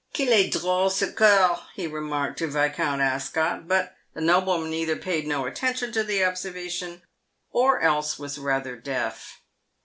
" Qu'il est drole ce Corx," he remarked to Viscount Ascot ; but the nobleman either paid no attention to the observation, or else was rather deaf.